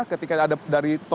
ketika ada dari tol cikampek